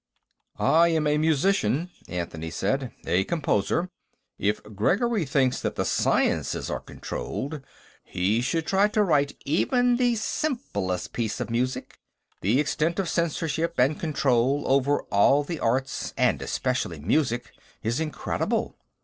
"I am a musician," Anthony said. "A composer. If Gregory thinks that the sciences are controlled, he should try to write even the simplest piece of music. The extent of censorship and control over all the arts, and especially music, is incredible."